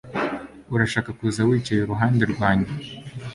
Urashaka kuza wicaye iruhande rwanjye